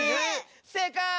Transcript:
せいかい！